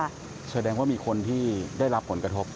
แสดงว่ามีคนที่ได้รับผลกระทบ